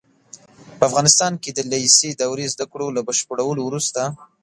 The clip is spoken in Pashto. په افغانستان کې د لېسې دورې زده کړو له بشپړولو وروسته